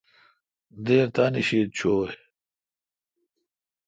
دیر تانی شیتھ چویں۔